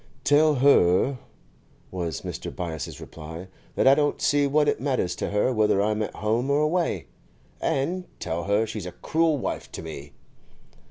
'Tell her,' was Mr. Byass's reply, 'that I don't see what it matters to her whether I'm at home or away. And tell her she's a cruel wife to me.